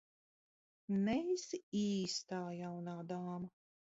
Neesi īstā jaunā dāma.